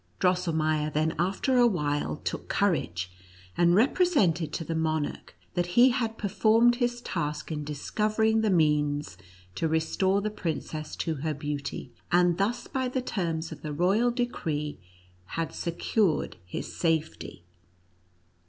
Drosselmeier then after a while took cour age, and represented to the monarch, that he had NUTCBACKEK AND MOUSE KING. 75 performed Ms task in discovering the means to restore the princess to her beauty, and thus by the terms of the royal decree had secured his safety.